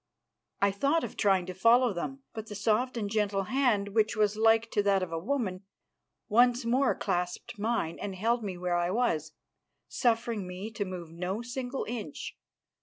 I thought of trying to follow them, but the soft and gentle hand, which was like to that of a woman, once more clasped mine and held me where I was, suffering me to move no single inch.